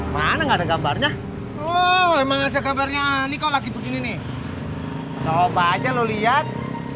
mana enggak ada gambarnya oh emang ada gambarnya ani kau lagi begini nih coba aja lu lihat